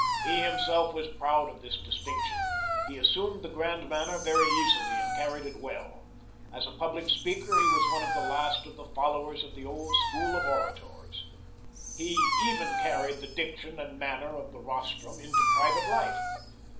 He himself was proud of this distinction; he assumed the grand manner very easily and carried it well. As a public speaker he was one of the last of the followers of the old school of orators. He even carried the diction and manner of the rostrum into private life.